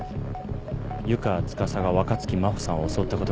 湯川司が若槻真帆さんを襲ったことも。